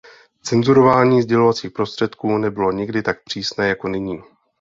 Cenzurování sdělovacích prostředků nebylo nikdy tak přísné jako nyní.